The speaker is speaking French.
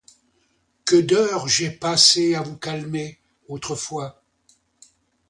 Que d'heures j'ai passées à vous calmer, autrefois!